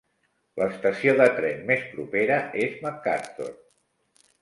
L'estació de tren més propera és Macarthur.